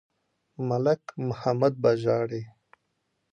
ملک محمد به ژاړي.